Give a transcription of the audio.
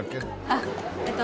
あっえっと